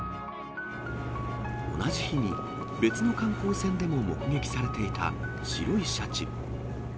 同じ日に別の観光船でも目撃されていた白いシャチ。